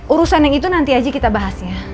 urusan yang itu nanti aja kita bahas ya